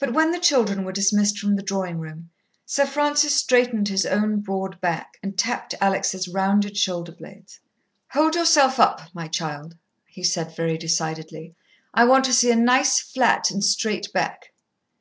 But when the children were dismissed from the drawing room, Sir Francis straightened his own broad back, and tapped Alex' rounded shoulder blades. "Hold yourself up, my child," he said very decidedly. "I want to see a nice flat, and straight back."